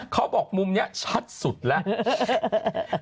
เขาบอกมุมนี้ชัดสุดแล้ว